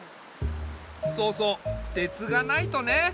そうそう鉄がないとね。